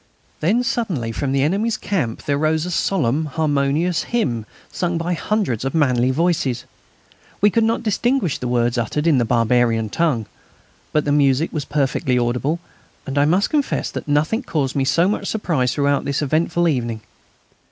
Then suddenly from the enemy's camp there rose a solemn, harmonious hymn sung by hundreds of manly voices. We could not distinguish the words uttered in the barbarian tongue. But the music was perfectly audible, and I must confess that nothing caused me so much surprise throughout this eventful evening.